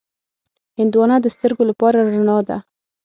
هندوانه د سترګو لپاره رڼا ده.